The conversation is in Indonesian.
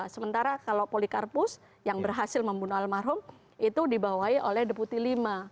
sementara kalau polikarpus yang berhasil membunuh almarhum itu dibawahi oleh deputi lima